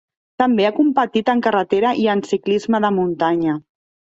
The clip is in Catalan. També ha competit en carretera i en ciclisme de muntanya.